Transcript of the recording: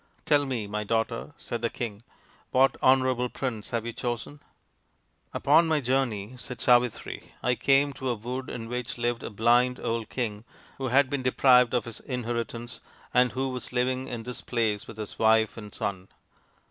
" Tell me, my daughter," said the king, " what honourable prince have you chosen ?"" Upon my journey," said Savitri, " I came to a wood in which lived a blind old king who had been deprived of his inheritance and who was living in this place with his wife and son.